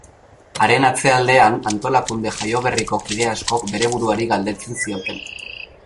Haren atzealdean, antolakunde jaioberriko kide askok bere buruari galdetzen zioten.